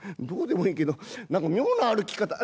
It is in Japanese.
「どうでもいいけど何か妙な歩き方」。